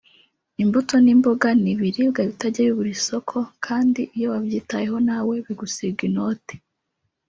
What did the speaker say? “ Imbuto n’imboga ni ibiribwa bitajya bibura isoko kandi iyo wabyitayeho nawe bigusiga inote”